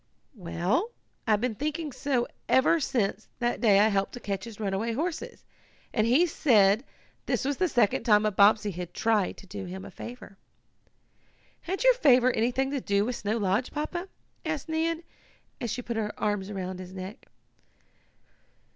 "Well, I've been thinking so ever since that day I helped to catch his runaway horses, and he said this was the second time a Bobbsey had tried to do him a favor.'" "Had your favor anything to do with Snow Lodge, Papa?" asked Nan, as she put her arms about his neck.